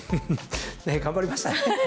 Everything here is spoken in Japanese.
頑張りましたね。